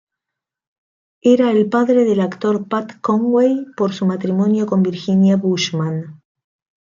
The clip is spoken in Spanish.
Era el padre del actor Pat Conway por su matrimonio con Virginia Bushman.